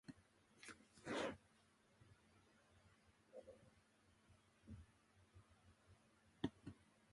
どうしてくらすかかんがえると、心配で心配で、ごろごろ寝がえりばかりして、ためいきまじりに、おかみさんに話しかけました。